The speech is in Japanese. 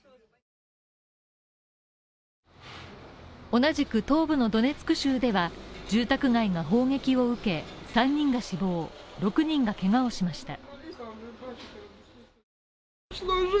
同じく東部のドネツク州では住宅街が砲撃を受け、３人が死亡、６人がけがをしました。